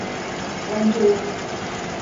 Bence yok.